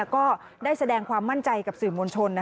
ก็ได้แสดงความมั่นใจกับสื่อมวลชน